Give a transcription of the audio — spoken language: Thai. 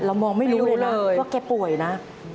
เรามองไม่รู้เลยนะว่าแกป่วยนะไม่รู้เลย